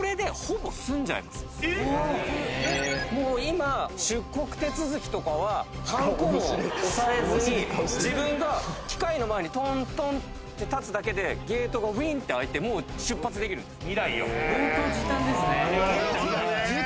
もう今出国手続きとかははんこも押されずに自分が機械の前にトントンって立つだけでゲートがウィンって開いてもう出発できるんです。